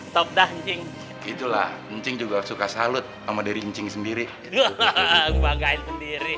top dan cing itulah cing juga suka salut sama diri cing sendiri banggain sendiri